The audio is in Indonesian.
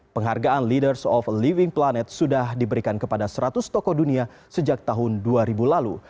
penghargaan leaders of living planet sudah diberikan kepada seratus tokoh dunia sejak tahun dua ribu lalu